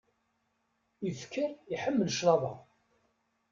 Ifker iḥemmel claḍa.